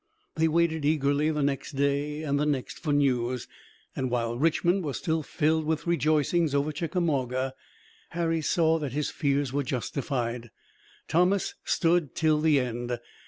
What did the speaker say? They waited eagerly the next day and the next for news, and while Richmond was still filled with rejoicings over Chickamauga, Harry saw that his fears were justified. Thomas stood till the end.